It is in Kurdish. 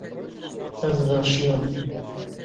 Ez verşiyam.